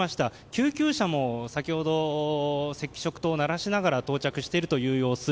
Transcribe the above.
救急車も先ほど、赤色灯を鳴らしながら到着している様子。